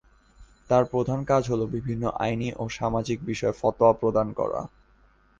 তার প্রধান কাজ হলো বিভিন্ন আইনি ও সামাজিক বিষয়ে ফতোয়া প্রদান করা।